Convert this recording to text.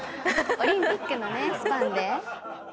オリンピックのスパンで。